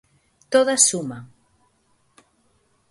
Todas suman.